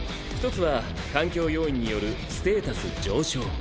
一つは環境要因によるステータス上昇。